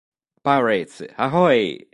Pirates Ahoy!